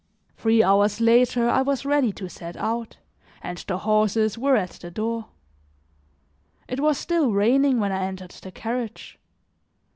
Three hours later I was ready to set out, and the horses were at the door. It was still raining when I entered the carriage.